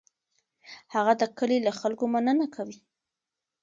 هغه د کلي له خلکو مننه کوي.